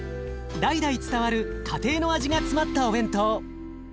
代々伝わる家庭の味が詰まったお弁当。